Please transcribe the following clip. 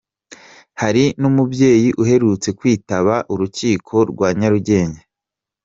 Hari n’umubyeyi uherutse kwitabaza urukiko rwa Nyarugenge